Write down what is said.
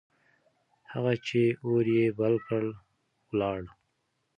هغه چې اور يې بل کړ، ولاړ.